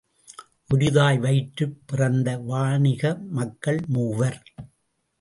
ஒரு தாய் வயிற்றுப் பிறந்த வாணிக மக்கள் மூவர்.